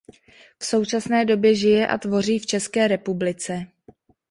V současné době žije a tvoří v České republice.